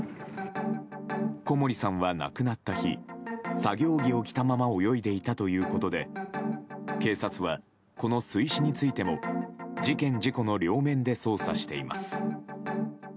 小森さんは亡くなった日作業着を着たまま泳いでいたということで警察はこの水死についても事件・事故の両面で捜査しています。